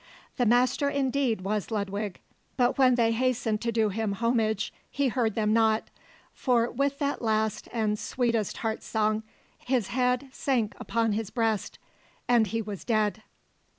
The Master indeed was Ludwig; but when they hastened to do him homage he heard them not, for with that last and sweetest heart song his head sank upon his breast, and he was dead.